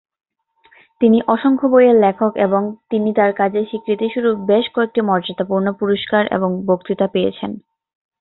তিনি অসংখ্য বইয়ের লেখক এবং তিনি তার কাজের স্বীকৃতিস্বরূপ বেশ কয়েকটি মর্যাদাপূর্ণ পুরষ্কার এবং বক্তৃতা পেয়েছেন।